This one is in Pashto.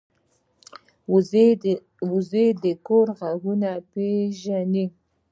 وزې د کور غږونه پېژني